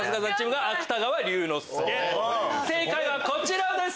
正解はこちらです！